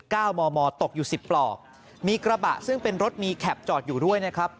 เก้ามอมอตกอยู่สิบปลอกมีกระบะซึ่งเป็นรถมีแคปจอดอยู่ด้วยนะครับ